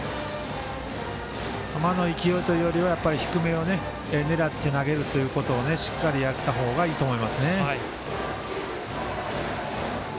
球の勢いというよりは低めを狙って投げるということを、しっかりやった方がいいと思いますね。